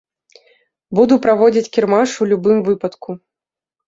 Буду праводзіць кірмаш у любым выпадку.